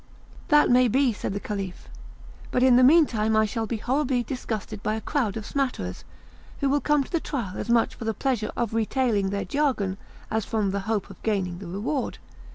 "That may be," said the Caliph; "but in the meantime I shall be horribly disgusted by a crowd of smatterers, who will come to the trial as much for the pleasure of retailing their jargon as from the hope of gaining the reward.